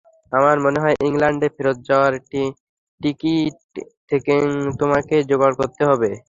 আমার মনে হয়, ইংল্যান্ডে ফেরত যাওয়ার টিকিট তোমাকেই জোগাড় করতে হবে।